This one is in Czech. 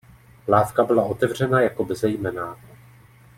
Lávka byla otevřena jako bezejmenná.